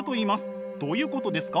どういうことですか？